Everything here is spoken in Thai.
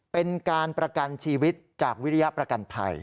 เป็นการประกันชีวิตจากวิริยประกันภัย